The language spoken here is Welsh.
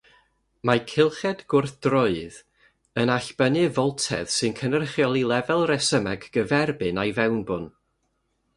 Mae cylched gwrthdröydd yn allbynnu foltedd sy'n cynrychioli'r lefel resymeg gyferbyn â'i fewnbwn.